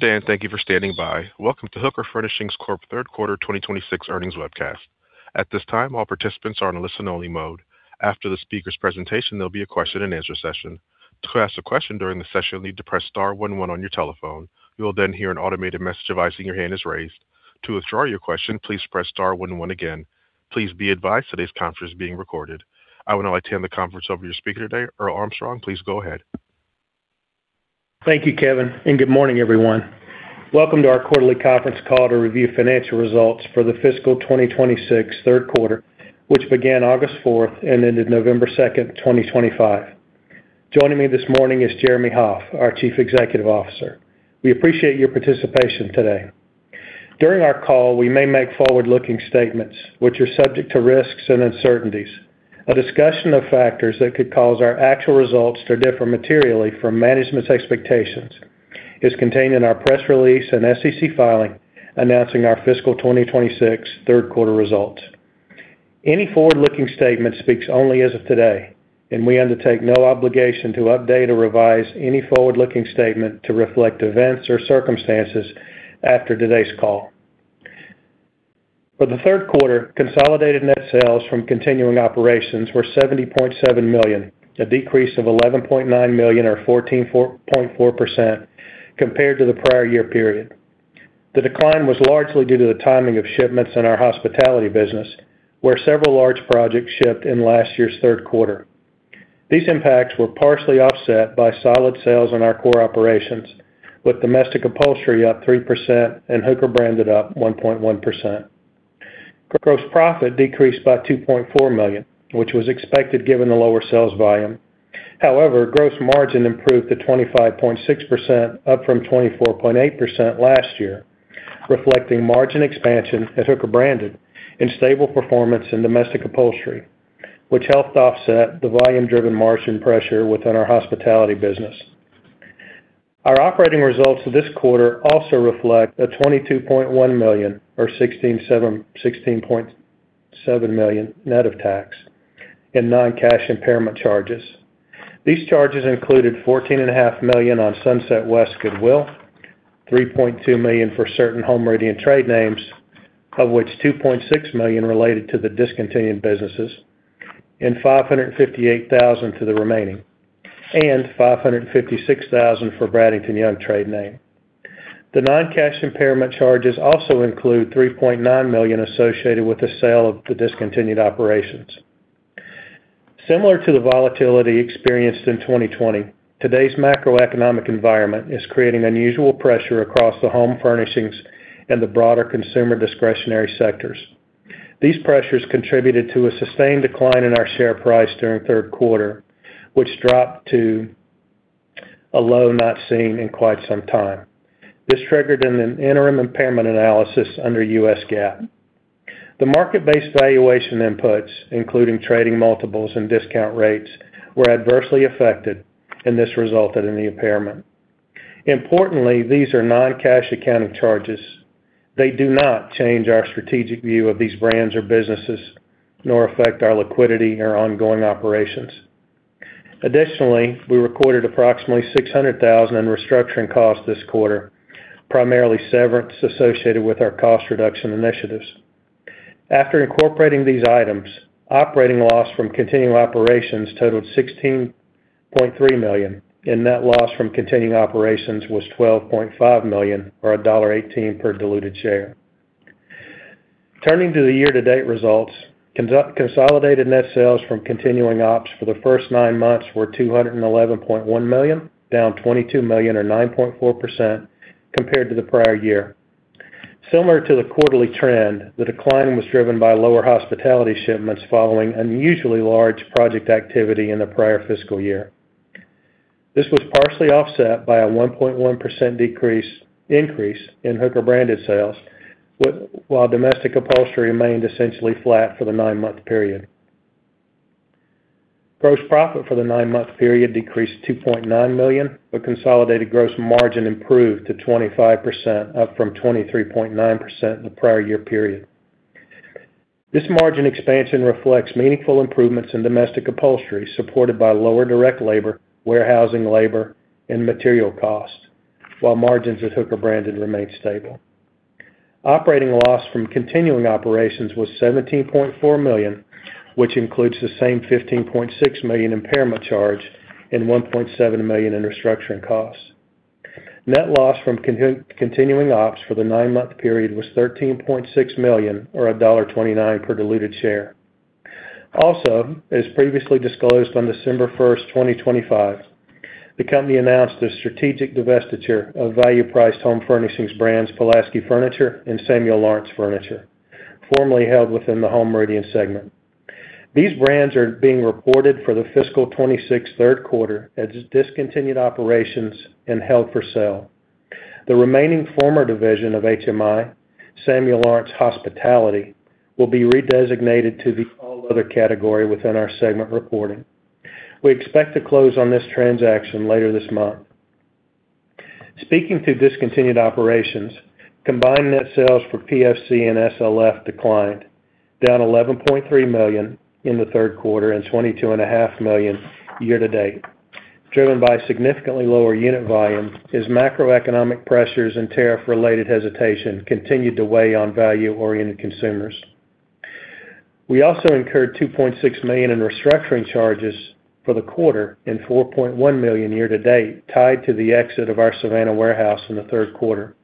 Good day, and thank you for standing by. Welcome to Hooker Furnishings Corp Third Quarter 2026 Earnings Webcast. At this time, all participants are on a listen-only mode. After the speaker's presentation, there'll be a question-and-answer session. To ask a question during the session, you'll need to press star one one on your telephone. You will then hear an automated message advising your hand is raised. To withdraw your question, please press star one one again. Please be advised today's conference is being recorded. I would now like to hand the conference over to your speaker today, Earl Armstrong. Please go ahead. Thank you, Kevin, and good morning, everyone. Welcome to our quarterly conference call to review financial results for the fiscal 2026 third quarter, which began August 4th and ended November 2nd, 2025. Joining me this morning is Jeremy Hoff, our Chief Executive Officer. We appreciate your participation today. During our call, we may make forward-looking statements, which are subject to risks and uncertainties. A discussion of factors that could cause our actual results to differ materially from management's expectations is contained in our press release and SEC filing announcing our fiscal 2026 third quarter results. Any forward-looking statement speaks only as of today, and we undertake no obligation to update or revise any forward-looking statement to reflect events or circumstances after today's call. For the third quarter, consolidated net sales from continuing operations were $70.7 million, a decrease of $11.9 million or 14.4% compared to the prior year period. The decline was largely due to the timing of shipments in our hospitality business, where several large projects shipped in last year's third quarter. These impacts were partially offset by solid sales in our core operations, with Domestic Upholstery up 3% and Hooker Branded up 1.1%. Gross profit decreased by $2.4 million, which was expected given the lower sales volume. However, gross margin improved to 25.6%, up from 24.8% last year, reflecting margin expansion at Hooker Branded and stable performance in Domestic Upholstery, which helped offset the volume-driven margin pressure within our hospitality business. Our operating results this quarter also reflect a $22.1 million, or $16.7 million net of tax, and non-cash impairment charges. These charges included $14.5 million on Sunset West goodwill, $3.2 million for certain home décor and trade names, of which $2.6 million related to the discontinued businesses, and $558,000 to the remaining, and $556,000 for Bradington-Young trade name. The non-cash impairment charges also include $3.9 million associated with the sale of the discontinued operations. Similar to the volatility experienced in 2020, today's macroeconomic environment is creating unusual pressure across the home furnishings and the broader consumer discretionary sectors. These pressures contributed to a sustained decline in our share price during third quarter, which dropped to a low not seen in quite some time. This triggered an interim impairment analysis under U.S. GAAP. The market-based valuation inputs, including trading multiples and discount rates, were adversely affected, and this resulted in the impairment. Importantly, these are non-cash accounting charges. They do not change our strategic view of these brands or businesses, nor affect our liquidity or ongoing operations. Additionally, we recorded approximately $600,000 in restructuring costs this quarter, primarily severance associated with our cost reduction initiatives. After incorporating these items, operating loss from continuing operations totaled $16.3 million, and net loss from continuing operations was $12.5 million or $1.18 per diluted share. Turning to the year-to-date results, consolidated net sales from continuing ops for the first nine months were $211.1 million, down $22 million or 9.4% compared to the prior year. Similar to the quarterly trend, the decline was driven by lower hospitality shipments following unusually large project activity in the prior fiscal year. This was partially offset by a 1.1% increase in Hooker Branded sales, while Domestic Upholstery remained essentially flat for the nine-month period. Gross profit for the nine-month period decreased $2.9 million, but consolidated gross margin improved to 25%, up from 23.9% in the prior year period. This margin expansion reflects meaningful improvements in Domestic Upholstery supported by lower direct labor, warehousing labor, and material costs, while margins at Hooker Branded remained stable. Operating loss from continuing operations was $17.4 million, which includes the same $15.6 million impairment charge and $1.7 million in restructuring costs. Net loss from continuing ops for the nine-month period was $13.6 million or $1.29 per diluted share. Also, as previously disclosed on December 1st, 2025, the company announced a strategic divestiture of value-priced home furnishings brands Pulaski Furniture and Samuel Lawrence Furniture, formerly held within the Hooker Branded segment. These brands are being reported for the fiscal 2026 third quarter as discontinued operations and held for sale. The remaining former division of HMI, Samuel Lawrence Hospitality, will be redesignated to the all other category within our segment reporting. We expect to close on this transaction later this month. Speaking to discontinued operations, combined net sales for PFC and SLF declined, down $11.3 million in the third quarter and $22.5 million year-to-date. Driven by significantly lower unit volume, as macroeconomic pressures and tariff-related hesitation continued to weigh on value-oriented consumers. We also incurred $2.6 million in restructuring charges for the quarter and $4.1 million year to date, tied to the exit of our Savannah warehouse in the third quarter.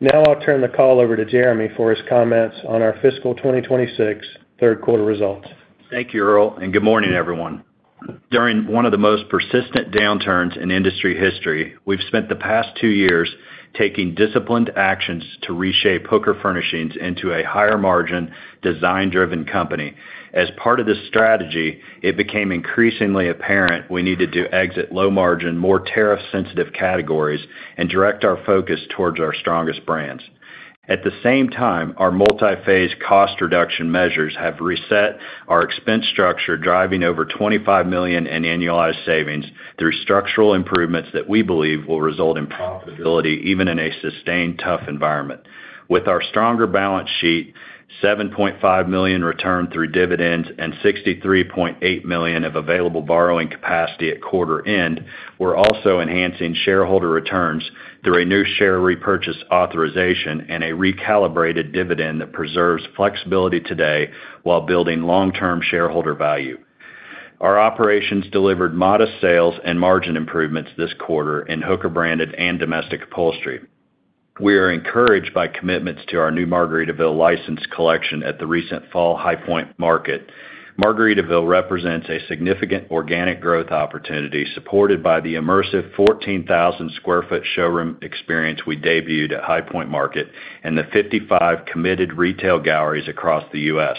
Now I'll turn the call over to Jeremy for his comments on our fiscal 2026 third quarter results. Thank you, Earl, and good morning, everyone. During one of the most persistent downturns in industry history, we've spent the past two years taking disciplined actions to reshape Hooker Furnishings into a higher margin, design-driven company. As part of this strategy, it became increasingly apparent we needed to exit low-margin, more tariff-sensitive categories and direct our focus towards our strongest brands. At the same time, our multi-phase cost reduction measures have reset our expense structure, driving over $25 million in annualized savings through structural improvements that we believe will result in profitability even in a sustained tough environment. With our stronger balance sheet, $7.5 million returned through dividends and $63.8 million of available borrowing capacity at quarter end, we're also enhancing shareholder returns through a new share repurchase authorization and a recalibrated dividend that preserves flexibility today while building long-term shareholder value. Our operations delivered modest sales and margin improvements this quarter in Hooker Branded and Domestic Upholstery. We are encouraged by commitments to our new Margaritaville license collection at the recent fall High Point Market. Margaritaville represents a significant organic growth opportunity supported by the immersive 14,000 sq ft showroom experience we debuted at High Point Market and the 55 committed retail galleries across the U.S.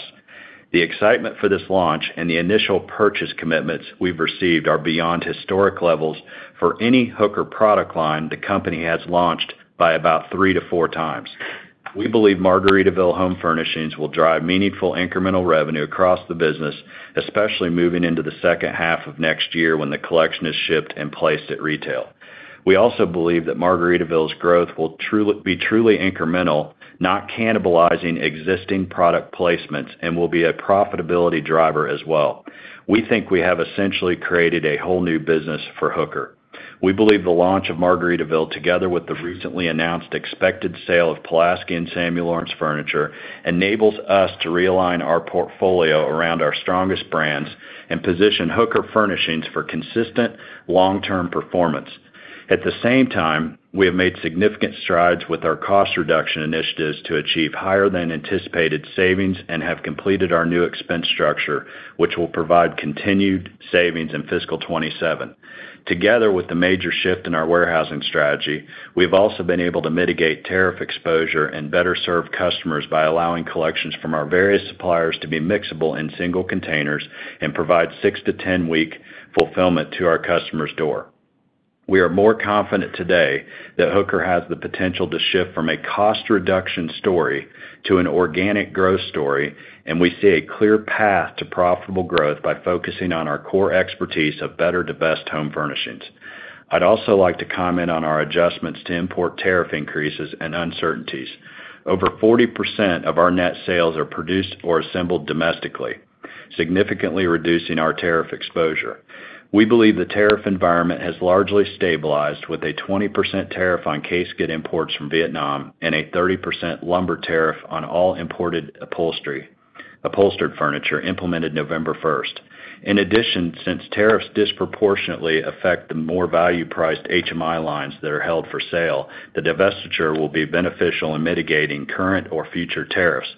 The excitement for this launch and the initial purchase commitments we've received are beyond historic levels for any Hooker product line the company has launched by about three to four times. We believe Margaritaville Home Furnishings will drive meaningful incremental revenue across the business, especially moving into the second half of next year when the collection is shipped and placed at retail. We also believe that Margaritaville's growth will be truly incremental, not cannibalizing existing product placements, and will be a profitability driver as well. We think we have essentially created a whole new business for Hooker. We believe the launch of Margaritaville, together with the recently announced expected sale of Pulaski and Samuel Lawrence Furniture, enables us to realign our portfolio around our strongest brands and position Hooker Furnishings for consistent long-term performance. At the same time, we have made significant strides with our cost reduction initiatives to achieve higher-than-anticipated savings and have completed our new expense structure, which will provide continued savings in fiscal 2027. Together with the major shift in our warehousing strategy, we've also been able to mitigate tariff exposure and better serve customers by allowing collections from our various suppliers to be mixable in single containers and provide six to 10-week fulfillment to our customers' door. We are more confident today that Hooker has the potential to shift from a cost reduction story to an organic growth story, and we see a clear path to profitable growth by focusing on our core expertise of better-to-best home furnishings. I'd also like to comment on our adjustments to import tariff increases and uncertainties. Over 40% of our net sales are produced or assembled domestically, significantly reducing our tariff exposure. We believe the tariff environment has largely stabilized with a 20% tariff on case goods imports from Vietnam and a 30% lumber tariff on all imported upholstered furniture implemented November 1st. In addition, since tariffs disproportionately affect the more value-priced HMI lines that are held for sale, the divestiture will be beneficial in mitigating current or future tariffs.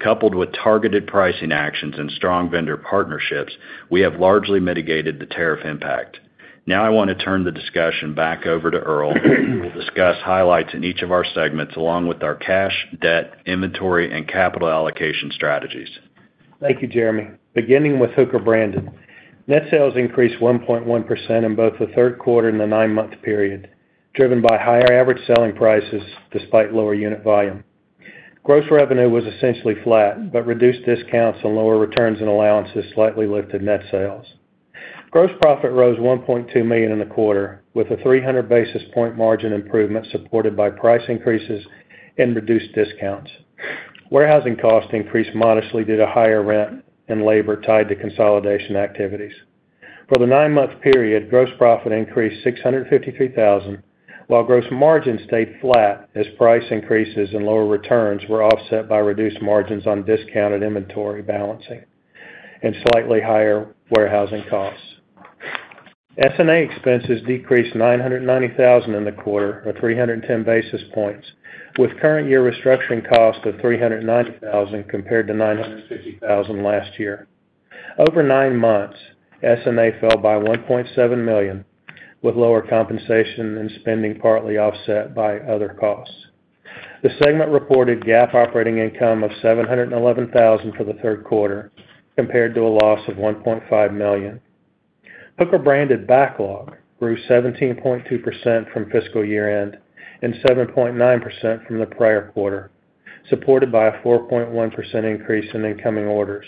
Coupled with targeted pricing actions and strong vendor partnerships, we have largely mitigated the tariff impact. Now I want to turn the discussion back over to Earl, who will discuss highlights in each of our segments along with our cash, debt, inventory, and capital allocation strategies. Thank you, Jeremy. Beginning with Hooker Branded, net sales increased 1.1% in both the third quarter and the nine-month period, driven by higher average selling prices despite lower unit volume. Gross revenue was essentially flat, but reduced discounts and lower returns and allowances slightly lifted net sales. Gross profit rose $1.2 million in the quarter, with a 300 basis point margin improvement supported by price increases and reduced discounts. Warehousing costs increased modestly due to higher rent and labor tied to consolidation activities. For the nine-month period, gross profit increased $653,000, while gross margin stayed flat as price increases and lower returns were offset by reduced margins on discounted inventory balancing and slightly higher warehousing costs. SG&A expenses decreased $990,000 in the quarter or 310 basis points, with current year restructuring cost of $390,000 compared to $950,000 last year. Over nine months, SG&A fell by $1.7 million, with lower compensation and spending partly offset by other costs. The segment reported GAAP operating income of $711,000 for the third quarter compared to a loss of $1.5 million. Hooker Branded backlog grew 17.2% from fiscal year end and 7.9% from the prior quarter, supported by a 4.1% increase in incoming orders.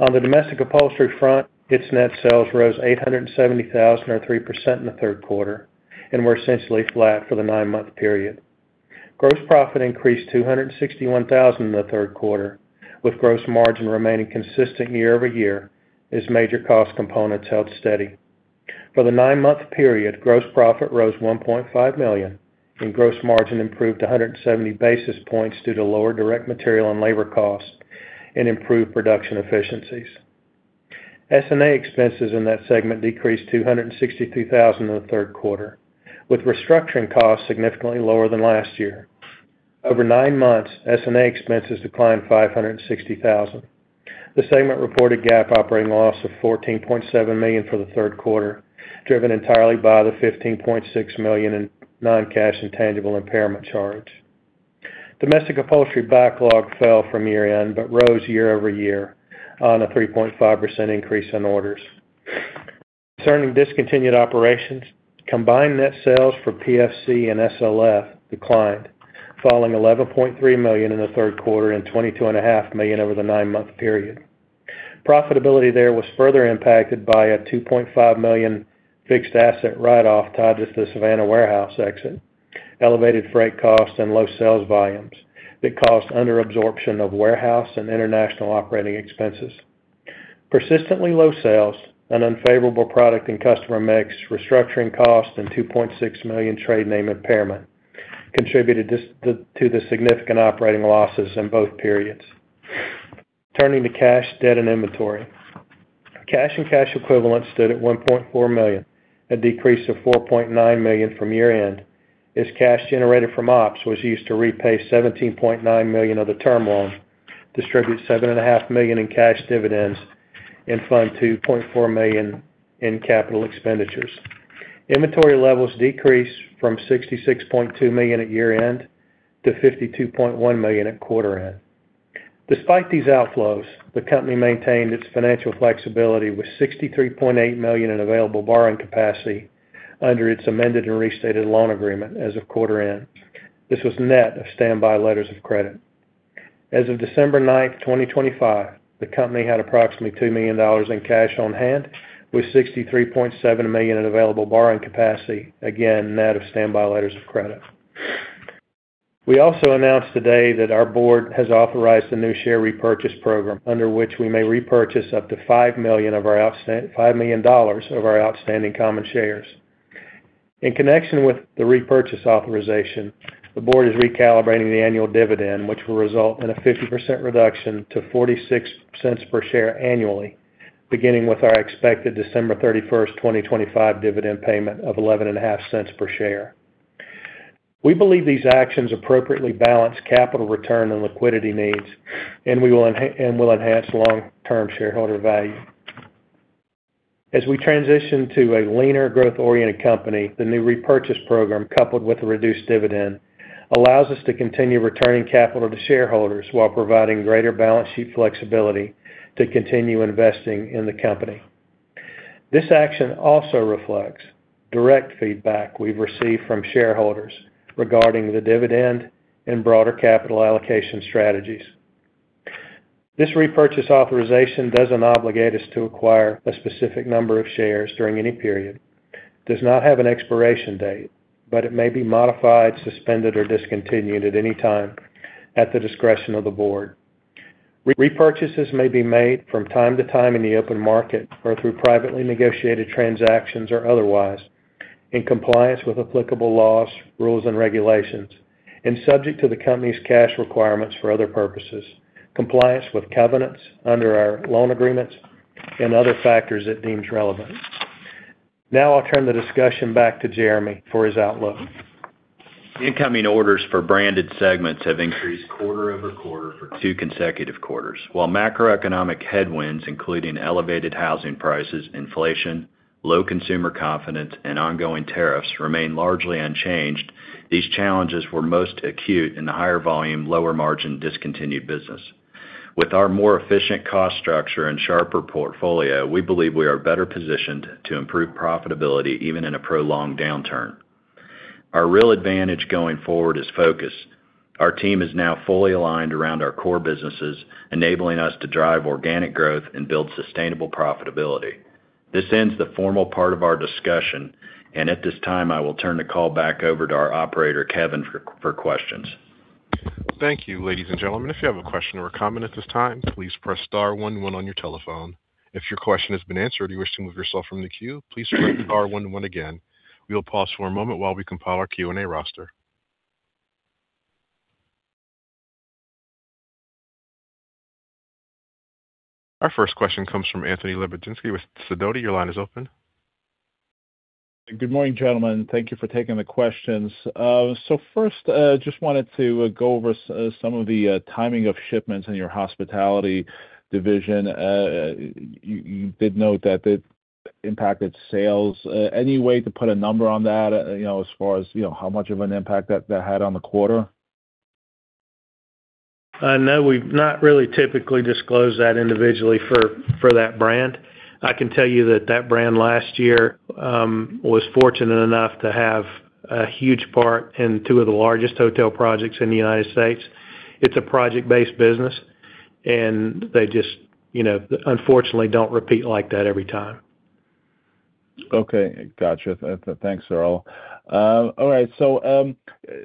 On the Domestic Upholstery front, its net sales rose $870,000 or 3% in the third quarter and were essentially flat for the nine-month period. Gross profit increased $261,000 in the third quarter, with gross margin remaining consistent year-over-year as major cost components held steady. For the nine-month period, gross profit rose $1.5 million and gross margin improved 170 basis points due to lower direct material and labor costs and improved production efficiencies. SG&A expenses in that segment decreased $263,000 in the third quarter, with restructuring costs significantly lower than last year. Over nine months, SG&A expenses declined $560,000. The segment reported GAAP operating loss of $14.7 million for the third quarter, driven entirely by the $15.6 million in non-cash intangible impairment charge. Domestic Upholstery backlog fell from year end but rose year-over-year on a 3.5% increase in orders. Concerning discontinued operations, combined net sales for PFC and SLF declined, falling $11.3 million in the third quarter and $22.5 million over the nine-month period. Profitability there was further impacted by a $2.5 million fixed asset write-off tied to the Savannah warehouse exit, elevated freight costs, and low sales volumes that caused underabsorption of warehouse and international operating expenses. Persistently low sales, an unfavorable product and customer mix, restructuring costs, and $2.6 million trade name impairment contributed to the significant operating losses in both periods. Turning to cash, debt, and inventory, cash and cash equivalents stood at $1.4 million and decreased to $4.9 million from year end as cash generated from ops was used to repay $17.9 million of the term loan, distribute $7.5 million in cash dividends, and fund $2.4 million in capital expenditures. Inventory levels decreased from $66.2 million at year end to $52.1 million at quarter end. Despite these outflows, the company maintained its financial flexibility with $63.8 million in available borrowing capacity under its amended and restated loan agreement as of quarter end. This was net of standby letters of credit. As of December 9th, 2025, the company had approximately $2 million in cash on hand with $63.7 million in available borrowing capacity, again net of standby letters of credit. We also announced today that our Board has authorized a new share repurchase program under which we may repurchase up to $5 million of our outstanding common shares. In connection with the repurchase authorization, the Board is recalibrating the annual dividend, which will result in a 50% reduction to $0.46 per share annually, beginning with our expected December 31st, 2025, dividend payment of $0.115 per share. We believe these actions appropriately balance capital return and liquidity needs, and we will enhance long-term shareholder value. As we transition to a leaner, growth-oriented company, the new repurchase program, coupled with a reduced dividend, allows us to continue returning capital to shareholders while providing greater balance sheet flexibility to continue investing in the company. This action also reflects direct feedback we've received from shareholders regarding the dividend and broader capital allocation strategies. This repurchase authorization doesn't obligate us to acquire a specific number of shares during any period. It does not have an expiration date, but it may be modified, suspended, or discontinued at any time at the discretion of the Board. Repurchases may be made from time to time in the open market or through privately negotiated transactions or otherwise, in compliance with applicable laws, rules, and regulations, and subject to the company's cash requirements for other purposes, compliance with covenants under our loan agreements, and other factors it deems relevant. Now I'll turn the discussion back to Jeremy for his outlook. Incoming orders for branded segments have increased quarter-over-quarter for two consecutive quarters. While macroeconomic headwinds, including elevated housing prices, inflation, low consumer confidence, and ongoing tariffs, remain largely unchanged, these challenges were most acute in the higher volume, lower margin discontinued business. With our more efficient cost structure and sharper portfolio, we believe we are better positioned to improve profitability even in a prolonged downturn. Our real advantage going forward is focus. Our team is now fully aligned around our core businesses, enabling us to drive organic growth and build sustainable profitability. This ends the formal part of our discussion, and at this time, I will turn the call back over to our operator, Kevin, for questions. Thank you, ladies and gentlemen. If you have a question or a comment at this time, please press star one one on your telephone. If your question has been answered or you wish to move yourself from the queue, please press star one one again. We will pause for a moment while we compile our Q&A roster. Our first question comes from Anthony Lebiedzinski with Sidoti. Your line is open. Good morning, gentlemen. Thank you for taking the questions. So first, I just wanted to go over some of the timing of shipments in your hospitality division. You did note that it impacted sales. Any way to put a number on that as far as how much of an impact that had on the quarter? No, we've not really typically disclosed that individually for that brand. I can tell you that that brand last year was fortunate enough to have a huge part in two of the largest hotel projects in the United States. It's a project-based business, and they just, unfortunately, don't repeat like that every time. Okay. Gotcha. Thanks, Earl. All right. So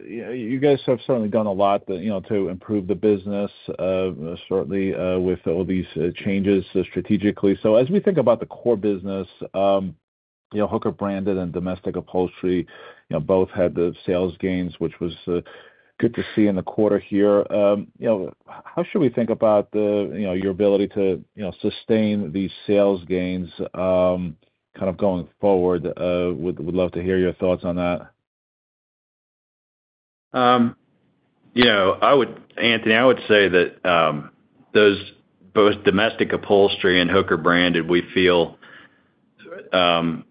you guys have certainly done a lot to improve the business, certainly with all these changes strategically. So as we think about the core business, Hooker Branded and Domestic Upholstery both had the sales gains, which was good to see in the quarter here. How should we think about your ability to sustain these sales gains kind of going forward? Would love to hear your thoughts on that. Anthony, I would say that both Domestic Upholstery and Hooker Branded, we feel some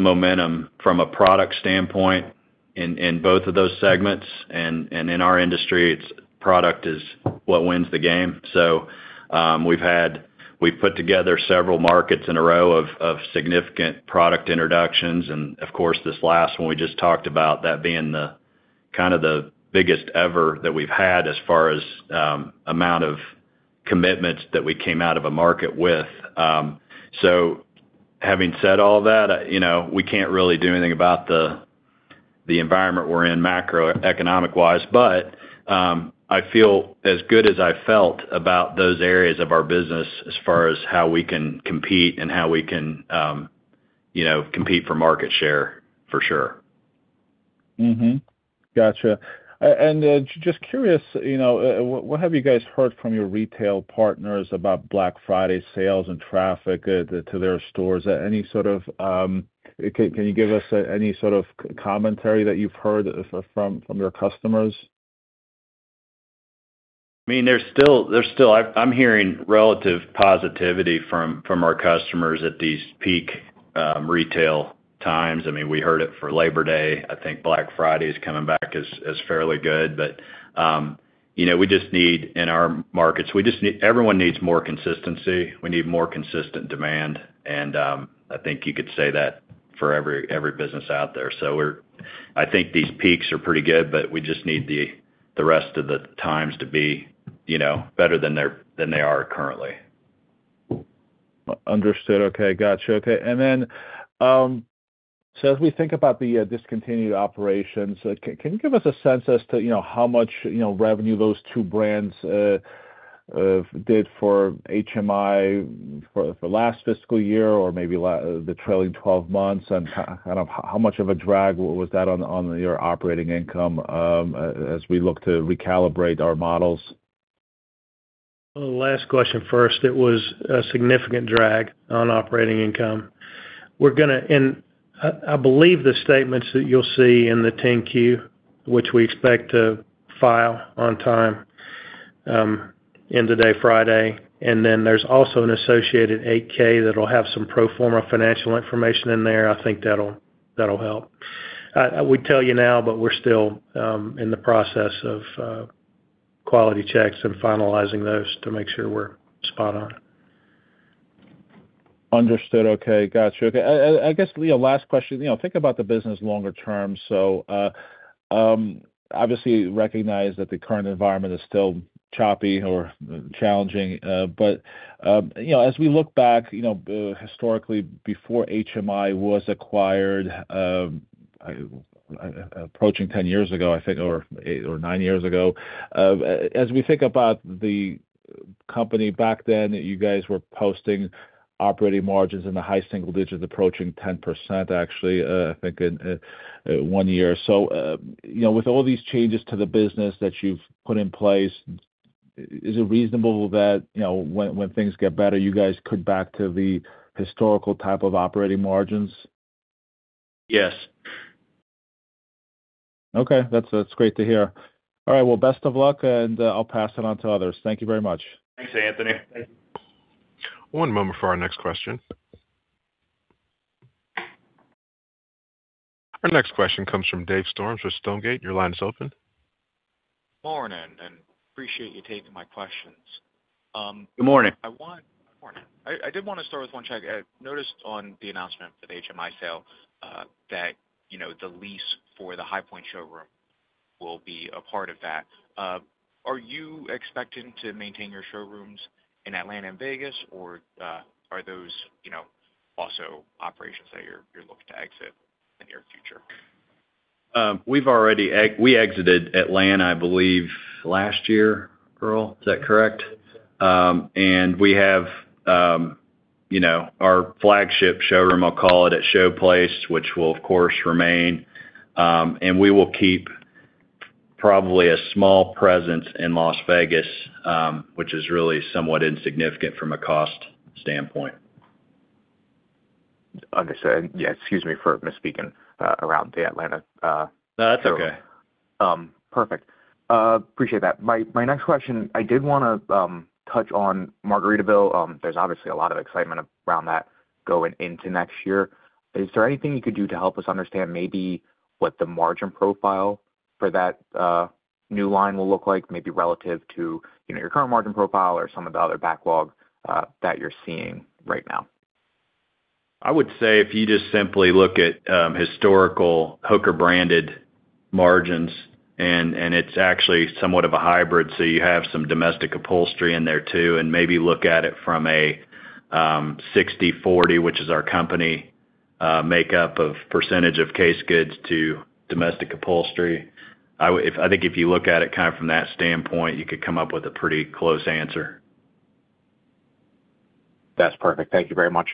momentum from a product standpoint in both of those segments. And in our industry, product is what wins the game. So we've put together several markets in a row of significant product introductions. And of course, this last one we just talked about, that being kind of the biggest ever that we've had as far as the amount of commitments that we came out of a market with. So having said all that, we can't really do anything about the environment we're in macroeconomic-wise, but I feel as good as I felt about those areas of our business as far as how we can compete and how we can compete for market share, for sure. Gotcha. And just curious, what have you guys heard from your retail partners about Black Friday sales and traffic to their stores? Any sort of, can you give us any sort of commentary that you've heard from your customers? I mean, there's still. I'm hearing relative positivity from our customers at these peak retail times. I mean, we heard it for Labor Day. I think Black Friday is coming back as fairly good, but we just need, in our markets, everyone needs more consistency. We need more consistent demand, and I think you could say that for every business out there. So I think these peaks are pretty good, but we just need the rest of the times to be better than they are currently. Understood. Okay. Gotcha. Okay. And then so as we think about the discontinued operations, can you give us a sense as to how much revenue those two brands did for HMI for last fiscal year or maybe the trailing 12 months? And kind of how much of a drag was that on your operating income as we look to recalibrate our models? Last question first. It was a significant drag on operating income, and I believe the statements that you'll see in the 10-Q, which we expect to file on time, end of day Friday, and then there's also an associated 8-K that'll have some pro forma financial information in there. I think that'll help. We can't tell you now, but we're still in the process of quality checks and finalizing those to make sure we're spot on. Understood. Okay. Gotcha. Okay. I guess, last question. Think about the business longer term. So obviously, you recognize that the current environment is still choppy or challenging, but as we look back historically before HMI was acquired, approaching 10 years ago, I think, or nine years ago, as we think about the company back then, you guys were posting operating margins in the high single digits, approaching 10%, actually, I think, in one year. So with all these changes to the business that you've put in place, is it reasonable that when things get better, you guys cut back to the historical type of operating margins? Yes. Okay. That's great to hear. All right. Well, best of luck, and I'll pass it on to others. Thank you very much. Thanks, Anthony. One moment for our next question. Our next question comes from Dave Storms with Stonegate. Your line is open. Good morning, and I appreciate you taking my questions. Good morning. I did want to start with one thing. I noticed on the announcement for the HMI sale that the lease for the High Point showroom will be a part of that. Are you expecting to maintain your showrooms in Atlanta and Vegas, or are those also operations that you're looking to exit in the near future? We exited Atlanta, I believe, last year, Earl. Is that correct? We have our flagship showroom, I'll call it, at Showplace, which will, of course, remain. We will keep probably a small presence in Las Vegas, which is really somewhat insignificant from a cost standpoint. Understood. Yeah. Excuse me for misspeaking around the Atlanta showroom. No, that's okay. Perfect. Appreciate that. My next question, I did want to touch on Margaritaville. There's obviously a lot of excitement around that going into next year. Is there anything you could do to help us understand maybe what the margin profile for that new line will look like, maybe relative to your current margin profile or some of the other backlog that you're seeing right now? I would say if you just simply look at historical Hooker Branded margins, and it's actually somewhat of a hybrid, so you have some Domestic Upholstery in there too, and maybe look at it from a 60/40, which is our company makeup of percentage of case goods to Domestic Upholstery. I think if you look at it kind of from that standpoint, you could come up with a pretty close answer. That's perfect. Thank you very much.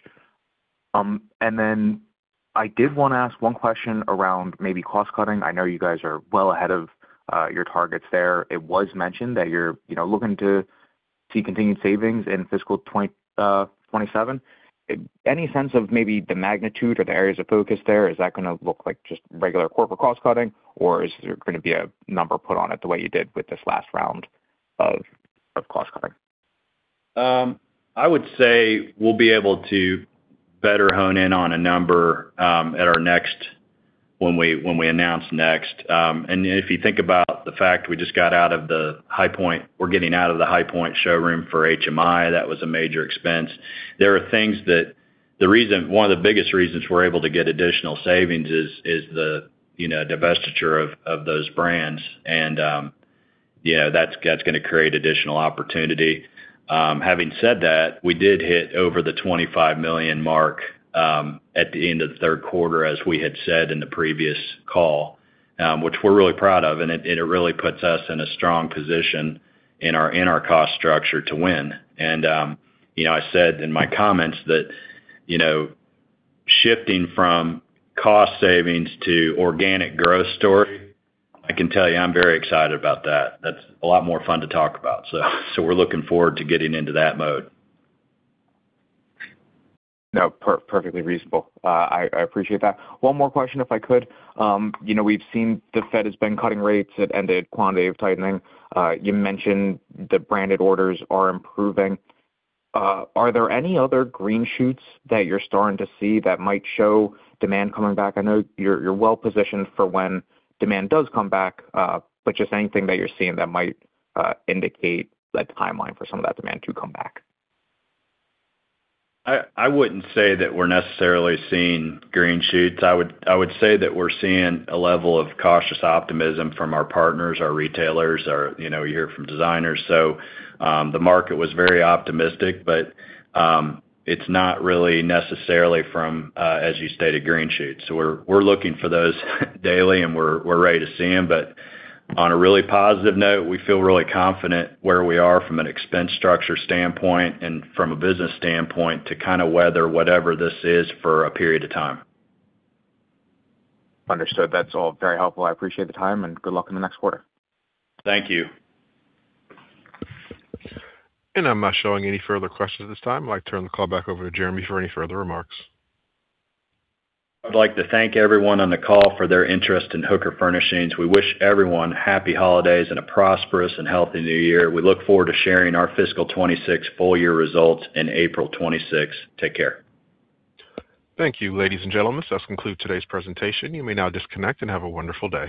And then I did want to ask one question around maybe cost cutting. I know you guys are well ahead of your targets there. It was mentioned that you're looking to see continued savings in fiscal 2027. Any sense of maybe the magnitude or the areas of focus there? Is that going to look like just regular corporate cost cutting, or is there going to be a number put on it the way you did with this last round of cost cutting? I would say we'll be able to better hone in on a number when we announce next. If you think about the fact we just got out of the High Point, we're getting out of the High Point showroom for HMI. That was a major expense. There are things that, one of the biggest reasons we're able to get additional savings is the divestiture of those brands, and that's going to create additional opportunity. Having said that, we did hit over the $25 million mark at the end of the third quarter, as we had said in the previous call, which we're really proud of, and it really puts us in a strong position in our cost structure to win. I said in my comments that shifting from cost savings to organic growth story, I can tell you I'm very excited about that. That's a lot more fun to talk about. So we're looking forward to getting into that mode. No, perfectly reasonable. I appreciate that. One more question, if I could. We've seen the Fed has been cutting rates and the quantitative tightening. You mentioned the branded orders are improving. Are there any other green shoots that you're starting to see that might show demand coming back? I know you're well positioned for when demand does come back, but just anything that you're seeing that might indicate a timeline for some of that demand to come back? I wouldn't say that we're necessarily seeing green shoots. I would say that we're seeing a level of cautious optimism from our partners, our retailers, you hear from designers. So the market was very optimistic, but it's not really necessarily from, as you stated, green shoots. So we're looking for those daily, and we're ready to see them. But on a really positive note, we feel really confident where we are from an expense structure standpoint and from a business standpoint to kind of weather whatever this is for a period of time. Understood. That's all very helpful. I appreciate the time, and good luck in the next quarter. Thank you. I'm not showing any further questions at this time. I'd like to turn the call back over to Jeremy for any further remarks. I'd like to thank everyone on the call for their interest in Hooker Furnishings. We wish everyone happy holidays and a prosperous and healthy New Year. We look forward to sharing our fiscal 2026 full year results in April 2026. Take care. Thank you, ladies and gentlemen. This does conclude today's presentation. You may now disconnect and have a wonderful day.